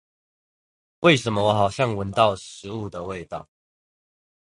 為什麼我好像聞到食物的味道